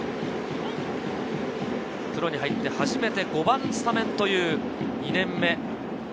プロに入って初めて５番スタメンという２年目。